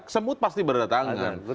semut pasti berdatangan